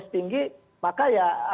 setinggi maka ya